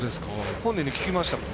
本人に聞きましたもん。